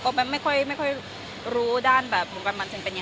อืมไม่ใช่คนในวงการนะคะ